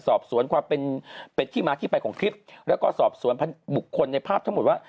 สอบสวนความเป็นที่มาที่ไปของคลิปแล้วก็สอบสวนบุคคลในภาพทั้งหมดว่า